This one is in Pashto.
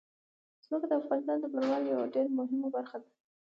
ځمکه د افغانستان د بڼوالۍ یوه ډېره مهمه برخه ده.